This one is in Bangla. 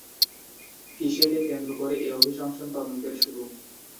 কিসেকে কেন্দ্র করে এ অভিশংসন তদন্তের শুরু?